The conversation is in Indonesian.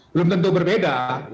belum tentu berbeda